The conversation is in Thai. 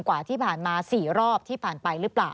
กว่าที่ผ่านมา๔รอบที่ผ่านไปหรือเปล่า